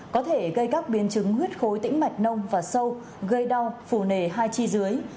có thể gây các biến chứng huyết khối tĩnh mạch nông và sâu gây đau phù nề hai chi dưới